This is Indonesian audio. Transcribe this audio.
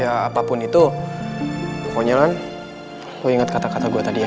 ya apapun itu pokoknya kan aku ingat kata kata gue tadi ya